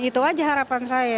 itu saja harapan saya